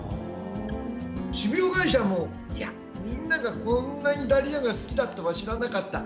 種苗会社もみんながこんなにダリアが好きだとは知らなかった。